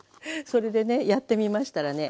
それでねやってみましたらね